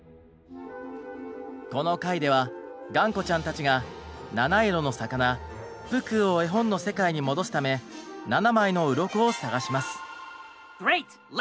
この回ではがんこちゃんたちがなないろのさかなプクーを絵本の世界に戻すため７枚のうろこを探します。